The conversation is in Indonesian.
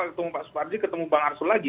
ketemu pak suparji ketemu bang arsul lagi